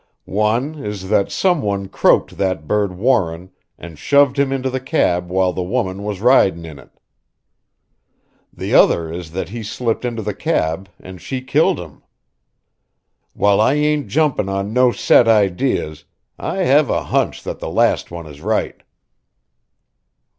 "One is that some one croaked that bird Warren and shoved him into the cab while the woman was ridin' in it. The other is that he slipped into the cab and she killed him. While I ain't jumpin' on no set ideas, I have a hunch that the last one is right."